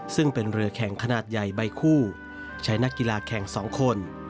ซึ่งเป็นเรือแข่งขนาดใหญ่ใบคู่ใช้นักกีฬาแข่ง๒คน